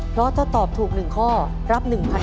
เพราะถ้าตอบถูก๑ข้อรับ๑๐๐๐